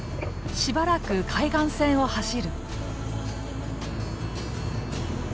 しばらく海岸線を走る。